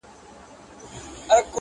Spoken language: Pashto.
o په پوښتنه لندن پيدا کېږي!